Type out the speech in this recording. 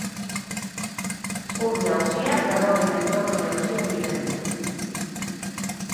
Ur-jauziak berrogei metroko jauzia egiten du.